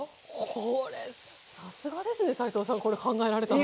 これさすがですね斉藤さんこれ考えられたの。